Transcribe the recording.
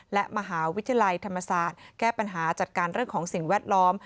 และมหาวิทยาลัยธรรมศาสตร์แก้ปัญหาจัดการเรื่องของสิ่งแวดล้อม